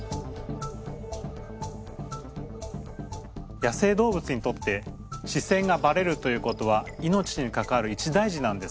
野生動物にとって視線がバレるということは命に関わる一大事なんです。